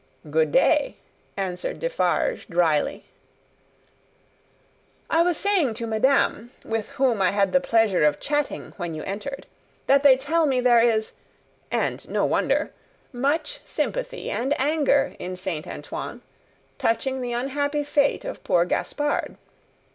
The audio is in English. "Good day!" answered Defarge, drily. "I was saying to madame, with whom I had the pleasure of chatting when you entered, that they tell me there is and no wonder! much sympathy and anger in Saint Antoine, touching the unhappy fate of poor Gaspard."